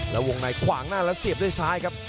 แล้ววงในขวางหน้าแล้วเสียบด้วยซ้ายครับ